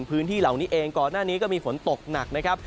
พื้นที่เหล่านี้เองก่อนหน้านี้ก็มีฝนตกหนักนะครับ